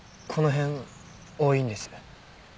この辺多いんです